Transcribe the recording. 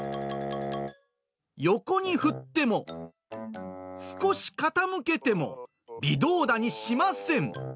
横に振っても、少し傾けても、微動だにしません。